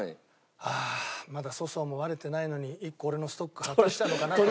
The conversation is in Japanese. ああまだ粗相もバレてないのに１個俺のストック隠したのかなと。